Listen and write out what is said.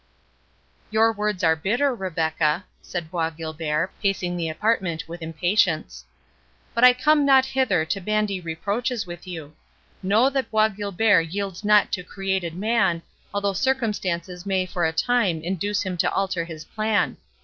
"Your words are bitter, Rebecca," said Bois Guilbert, pacing the apartment with impatience, "but I came not hither to bandy reproaches with you.—Know that Bois Guilbert yields not to created man, although circumstances may for a time induce him to alter his plan.